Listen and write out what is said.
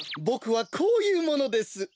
ボクはこういうものです。